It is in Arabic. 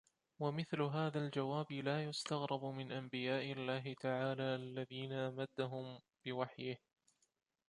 وَمِثْلُ هَذَا الْجَوَابِ لَا يُسْتَغْرَبُ مِنْ أَنْبِيَاءِ اللَّهِ تَعَالَى الَّذِينَ أَمَدَّهُمْ بِوَحْيِهِ